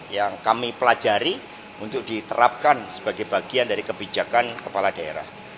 yang kami pelajari untuk diterapkan sebagai bagian dari kebijakan kepala daerah